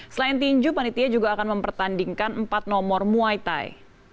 selain tinju panitia juga akan mempertandingkan empat nomor muay thai